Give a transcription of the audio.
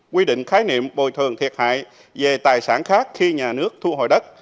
quy định khái niệm bồi thường thiệt hại về tài sản khác khi nhà nước thu hồi đất